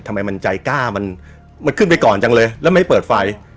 ทำไมมันใจกล้ามันมันขึ้นไปก่อนจังเลยแล้วไม่เปิดไฟ